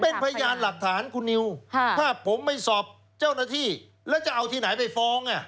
เป็นพยานหลักฐานคุณนิวถ้าผมไม่สอบเจ้าหน้าที่แล้วจะเอาที่ไหนไปฟ้อง